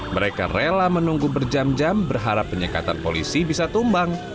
mereka rela menunggu berjam jam berharap penyekatan polisi bisa tumbang